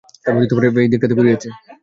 এই দিকটাতে পুড়িয়েছে।